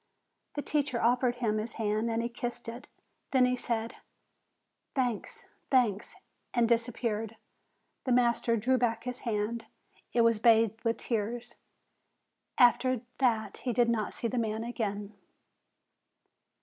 The teacher offered him his hand, and he kissed it ; then he said : "Thanks! thanks!" and disappeared. The master drew back his hand; it was bathed with tears. After that he did not see the man again.